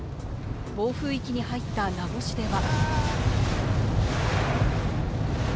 暴風域に入った名護市では。